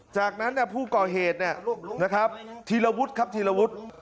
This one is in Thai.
จากนั้นผู้ก่อเหตุเนี่ยนะครับธีรวุฒิครับธีรวุฒิ